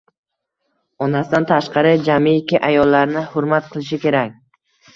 Onasidan tashqari jamiki ayollarni hurmat qilishi kerak.